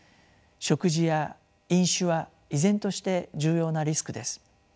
食事や飲酒は依然として重要なリスクです。